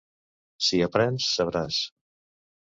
Si aprens, sabràs.